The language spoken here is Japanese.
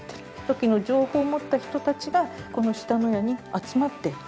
土器の情報を持った人たちがこの下野谷に集まってきてる。